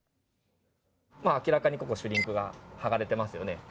明らかにここシュリンクが剥がれてますよね。